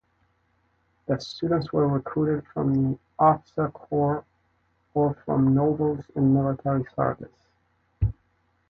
The students were recruited from the officer corps or from nobles in military service.